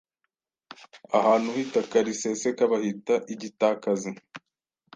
Ahantu h’itaka riseseka bahita igitakazi.